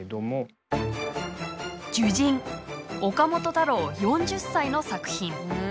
岡本太郎４０歳の作品。